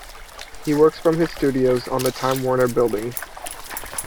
He works from his studios on the Time Warner Building.